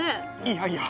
いやいや！